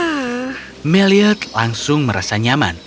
dia berbicara kepada makhluk burung hantu dengan kebaikan